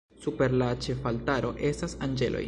Super la ĉefaltaro estas anĝeloj.